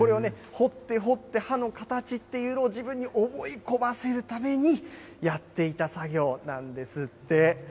これをね、彫って彫って、歯の形というのを自分に覚え込ませるためにやっていた作業なんですって。